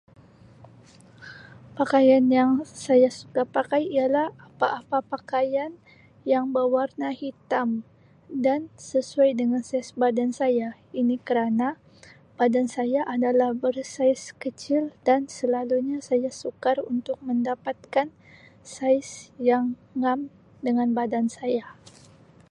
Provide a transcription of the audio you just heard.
Pakaian yang saya suka pakai ialah pa-pakaian yang bewarna hitam dan sesuai dengan saiz badan saya ini kerana badan saya adalah bersaiz kecil dan selalunya saya sukar untuk mendapatkan saiz yang ngam dengan badan saya.